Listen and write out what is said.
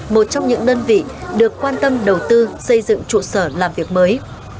một trong những đơn vị được quan tâm đầu tư xây dựng trụ sở làm việc mới